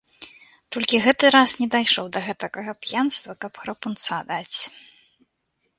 Толькі гэты раз не дайшоў да гэтакага п'янства, каб храпунца даць.